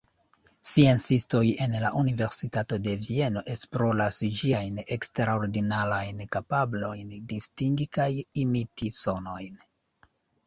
Sciencistoj en la Universitato de Vieno esploras ĝiajn eksterordinarajn kapablojn distingi kaj imiti sonojn.